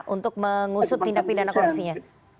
untuk mengusut tindak pidana korupsinya